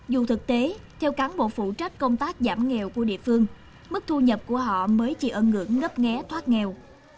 dù thực tế theo cán bộ phụ trách công tác giảm nghèo của địa phương mức thu nhập của họ mới chỉ ấn ngưỡng ngấp nghé thoát nghèo